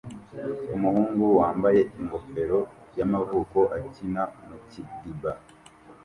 Umuhungu wambaye ingofero y'amavuko akina mu kidiba